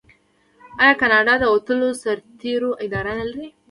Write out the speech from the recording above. آیا کاناډا د وتلو سرتیرو اداره نلري؟